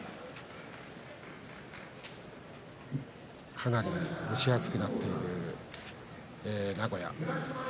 かなり蒸し暑くなっている名古屋。